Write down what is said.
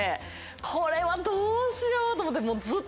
これはどうしようと思って。